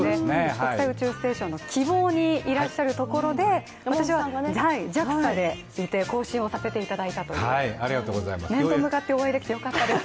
国際宇宙ステーションの「きぼう」にいらっしゃるところで私はＪＡＸＡにいて交信をさせていただいたという面と向かってお会いできてよかったです。